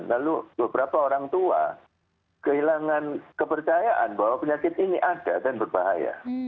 lalu beberapa orang tua kehilangan kepercayaan bahwa penyakit ini ada dan berbahaya